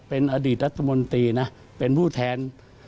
เป็นอดีตรัฐมนตรีนะเป็นผู้แทน